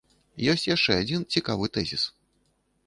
Ёсць яшчэ адзін цікавы тэзіс.